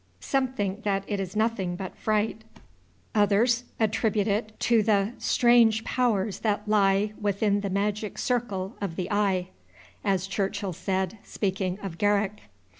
Some think that it is nothing but fright; others attribute it to the "strange powers that lie Within the magic circle of the eye," as Churchill said, speaking of Garrick.